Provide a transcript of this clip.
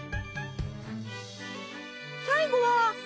最後は。